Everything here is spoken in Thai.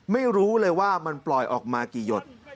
ไม่รู้เลยว่ามันปล่อยออกมากี่หยด